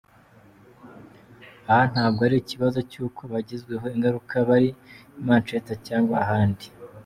Aha ntabwo ari ikibazo cy’uko abagizweho ingaruka bari i Manchester cyangwa ahandi.